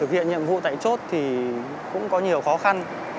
viện nhiệm vụ tại chốt thì cũng có nhiều khó khăn